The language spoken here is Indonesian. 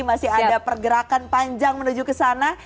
masih ada pergerakan panjang menuju ke sana